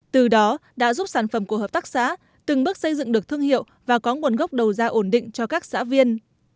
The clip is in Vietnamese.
từ đó đã giúp sản phẩm của hợp tác xã từng bước xây dựng được thương hiệu và có nguồn gốc đầu ra ổn định cho các xã viên